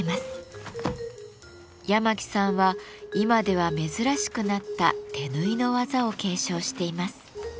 八巻さんは今では珍しくなった手縫いの技を継承しています。